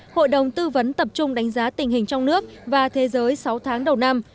hội đồng tư vấn tập trung đánh giá tình hình trong nước và thế giới sáu tháng đầu năm